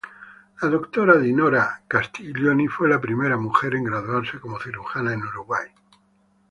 La doctora Dinorah Castiglioni, fue la primera mujer en graduarse como cirujana en Uruguay.